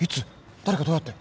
誰がどうやって？